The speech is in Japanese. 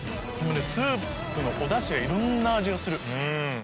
スープのおだしがいろんな味がする。